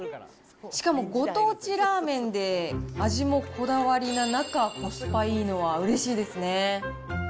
しかもご当地ラーメンで、味もこだわりな中、コスパいいのはうれしいですね。